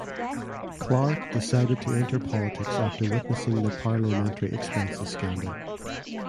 Clarke decided to enter politics after witnessing the parliamentary expenses scandal.